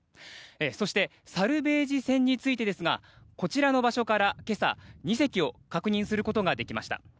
そしてサルベージ船についてですがこちらの場所から今朝、２隻を確認することができました。